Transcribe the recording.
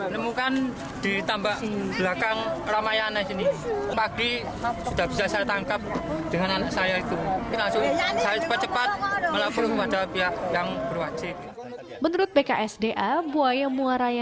menurut bksda buaya muara yang dipakai